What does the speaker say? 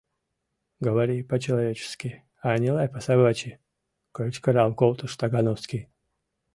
— Говори по-человечески, а не лай по-собачьи! — кычкырал колтыш Тагановский.